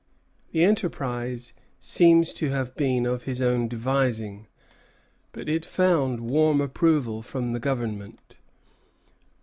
The enterprise seems to have been of his own devising; but it found warm approval from the Government.